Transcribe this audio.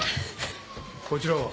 こちらは？